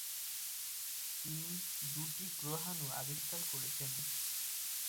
তিনি দুটি গ্রহাণু আবিষ্কার করেছেন।